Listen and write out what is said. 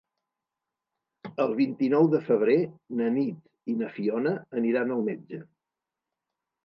El vint-i-nou de febrer na Nit i na Fiona aniran al metge.